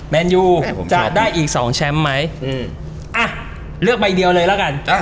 มานยูจะได้อีก๒แชมป์ไหมเอ้าเลือกใบเดียวเลยแล้วกันโอเค